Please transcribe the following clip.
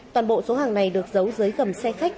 toàn bộ số hàng này được giấu dưới gầm xe khách